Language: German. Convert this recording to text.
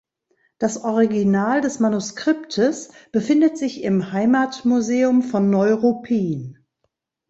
Das Original des Manuskriptes befindet sich im Heimatmuseum von Neuruppin.